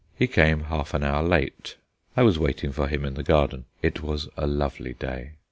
He came half an hour late: I was waiting for him in the garden. It was a lovely day.